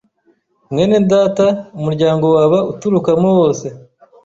mwene data umuryango waba uturukamo wose